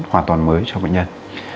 hoàn toàn mới cho bệnh nhân